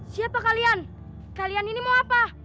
siapa kalian kalian ini mau apa